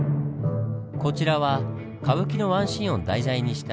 こちらは歌舞伎のワンシーンを題材にした浮世絵。